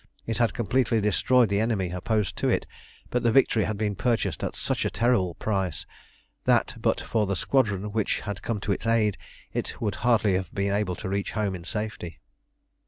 It had completely destroyed the enemy opposed to it, but the victory had been purchased at such a terrible price that, but for the squadron which had come to its aid, it would hardly have been able to reach home in safety.